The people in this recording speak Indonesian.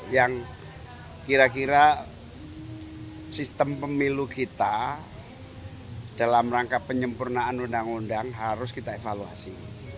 yang kira kira sistem pemilu kita dalam rangka penyempurnaan undang undang harus kita evaluasi